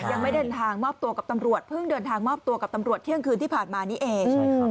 ยังไม่เดินทางมอบตัวกับตำรวจเพิ่งเดินทางมอบตัวกับตำรวจเที่ยงคืนที่ผ่านมานี้เอง